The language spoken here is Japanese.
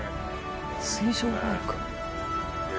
水上バイク。